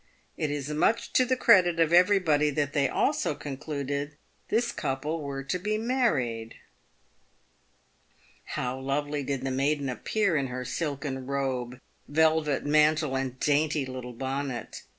It is much to the credit of everybody that they also concluded this couple were to be married. How lovely did the maiden appear in her silken robe, velvet mantle, and dainty little bonnet !